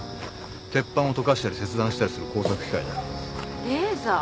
鉄板を溶かしたり切断したりする工作機械だよ。